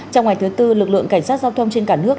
trong ngày thứ tư lực lượng cảnh sát giao thông trên cả nước